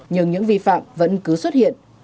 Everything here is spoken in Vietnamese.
nhưng những vi phạm vẫn cứ xuất hiện